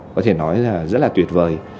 có thể nói là rất là tuyệt vời